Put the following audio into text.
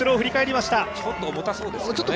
ちょっと重そうですよね。